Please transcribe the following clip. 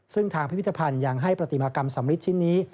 ซึ่งทางพิพิธภัณฑ์ยังให้ปฏิมากรรมสำริดชิ้นนี้